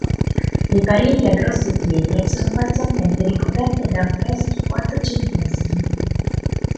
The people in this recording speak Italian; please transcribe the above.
Le pareti a grosse pietre sono parzialmente ricoperte da affreschi quattrocenteschi.